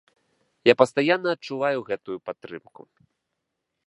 Я пастаянна адчуваю гэтую падтрымку.